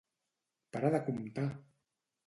Para de comptar!